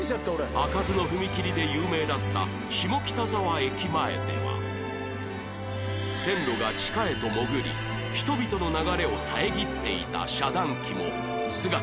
開かずの踏切で有名だった下北沢駅前では線路が地下へと潜り人々の流れを遮っていた遮断機も姿を消した